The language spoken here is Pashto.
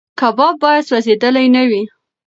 کباب باید سوځېدلی نه وي.